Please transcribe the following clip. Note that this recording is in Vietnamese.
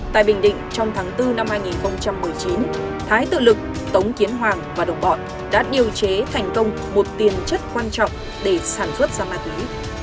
tại bình định trong tháng bốn năm hai nghìn một mươi chín thái tự lực tống kiến hoàng và đồng bọn đã điều chế thành công một tiền chất quan trọng để sản xuất ra ma túy